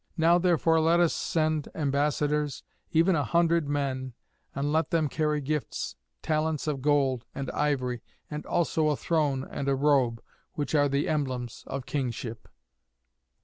Now therefore let us send ambassadors, even a hundred men, and let them carry gifts, talents of gold, and ivory, and also a throne and a robe, which are the emblems of kingship."